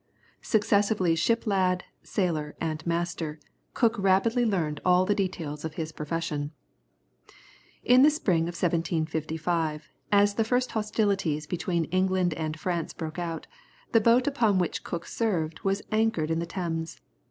Successively ship lad, sailor, and master, Cook rapidly learned all the details of his profession. In the spring of 1755, as the first hostilities between England and France broke out, the boat upon which Cook served was anchored in the Thames.